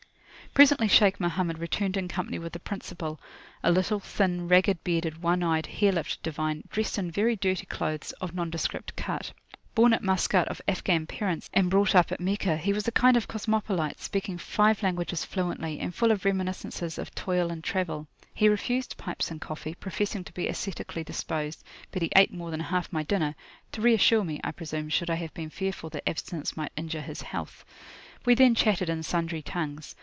Presently Shaykh Mohammed returned in company with the principal, a little, thin, ragged bearded, one eyed, hare lipped divine, dressed in very dirty clothes, of nondescript cut. Born at Maskat of Afghan parents, and brought up at Meccah, he was a kind of cosmopolite, speaking five languages fluently, and full of reminiscences of toil and travel. He refused pipes and coffee, professing to be ascetically disposed: but he ate more than half my dinner, to reassure me, I presume, should I have been fearful that abstinence might injure his health. We then chatted in sundry tongues.